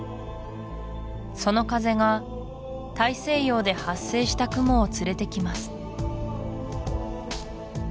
その風が大西洋で発生した雲を連れてきます